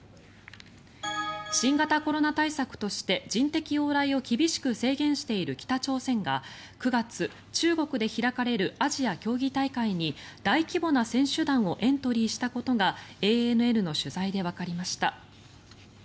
新型コロナ対策として人的往来を厳しくしている北朝鮮が９月中国で開かれるアジア競技大会に大規模な選手団をエントリーしたことがＡＮＮの取材でわかりました。